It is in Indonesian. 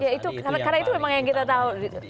karena itu memang yang kita tahu